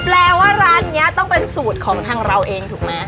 แปลว่าร้านนี้ต้องเป็นสูตรของทางเราเองถูกไหม